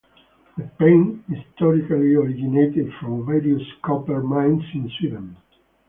The paint historically originated from various copper mines in Sweden.